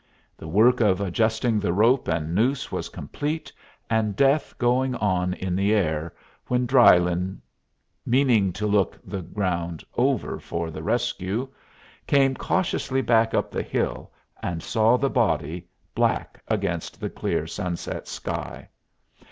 The work of adjusting the rope and noose was complete and death going on in the air when Drylyn, meaning to look the ground over for the rescue, came cautiously back up the hill and saw the body, black against the clear sunset sky.